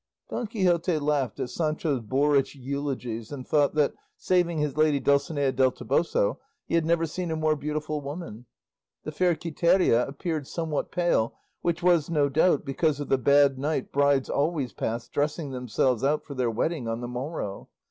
'" Don Quixote laughed at Sancho's boorish eulogies and thought that, saving his lady Dulcinea del Toboso, he had never seen a more beautiful woman. The fair Quiteria appeared somewhat pale, which was, no doubt, because of the bad night brides always pass dressing themselves out for their wedding on the morrow.